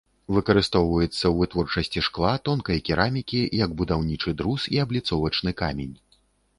Выкарыстоўваецца ў вытворчасці шкла, тонкай керамікі, як будаўнічы друз і абліцовачны камень.